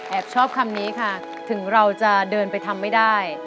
ชอบคำนี้ค่ะถึงเราจะเดินไปทำไม่ได้